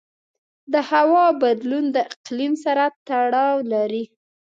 د هوا بدلون د اقلیم سره تړاو لري.